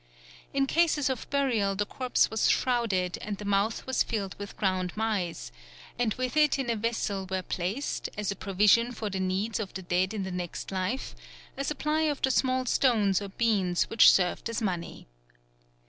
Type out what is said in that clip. In cases of burial the corpse was shrouded and the mouth was filled with ground maize, and with it in a vessel were placed, as a provision for the needs of the dead in the next life, a supply of the small stones or beans which served as money.